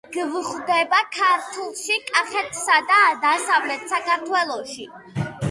გვხვდება ქართლში, კახეთსა და დასავლეთ საქართველოში.